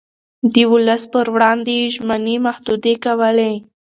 د ولس پر وړاندې يې ژمنې محدودې کولې.